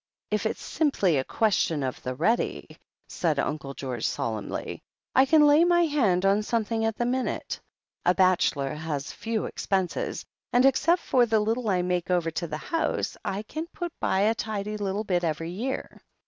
"If it's simply a question of the ready," said Uncle George solemnly, "I can lay my hand on something at the minute. A bachelor has few expenses, and except for the little I make over to the house, I can put by a tidy little bit every year.